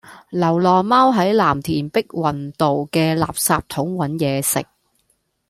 流浪貓喺藍田碧雲道嘅垃圾桶搵野食